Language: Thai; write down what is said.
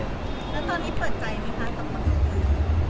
แล้วตอนนี้เปิดใจมั้ยคะสำหรับคนเดียว